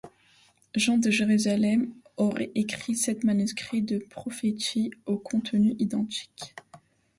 Jean de Jérusalem aurait écrit sept manuscrits de prophéties, au contenu identique.